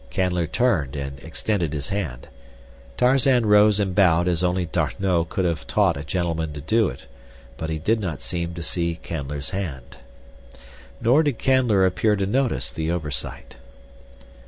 Canler turned and extended his hand. Tarzan rose and bowed as only D'Arnot could have taught a gentleman to do it, but he did not seem to see Canler's hand. Nor did Canler appear to notice the oversight.